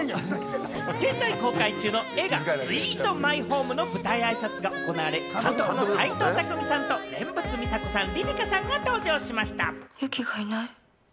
現在公開中の映画『スイート・マイホーム』の舞台あいさつが行われ、監督の齊藤工さんと蓮佛美沙子さん、里々佳さんが登場しました。